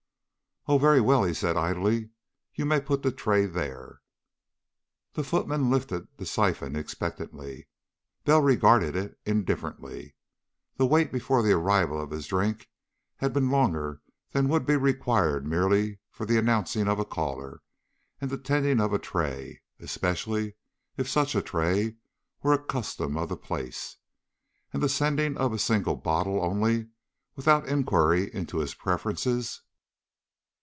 "Oh, very well," he said idly. "You may put the tray there." The footman lifted the siphon expectantly. Bell regarded it indifferently. The wait before the arrival of this drink had been longer than would be required merely for the announcing of a caller and the tending of a tray, especially if such a tray were a custom of the place. And the sending of a single bottle only, without inquiry into his preferences....